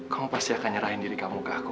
kamu pasti akan nyerahin diri kamu ke aku